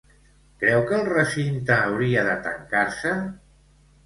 Creu que el recinte hauria de tancar-se?